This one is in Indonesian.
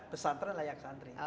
pesan tren layak santri